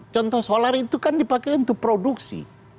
contoh solar itu kan dipakai untuk produksi